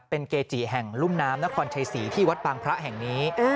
เป็นเกจิแห่งลุ่มน้ำนครชัยศรีที่วัดบางพระแห่งนี้